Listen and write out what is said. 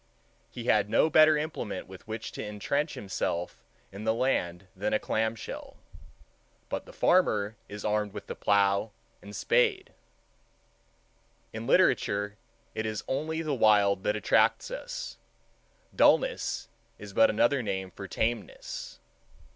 He had no better implement with which to intrench himself in the land than a clam shell. But the farmer is armed with plow and spade. In literature it is only the wild that attracts us. Dullness is but another name for tameness.